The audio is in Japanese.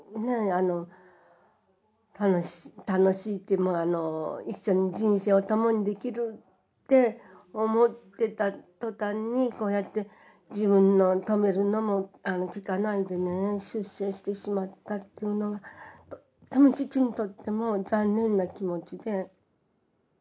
あの楽しい一緒に人生を共にできるって思ってた途端にこうやって自分の止めるのも聞かないでね出征してしまったっていうのがとっても父にとっても残念な気持ちで。